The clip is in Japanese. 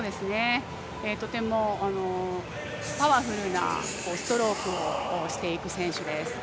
とてもパワフルなストロークをしていく選手です。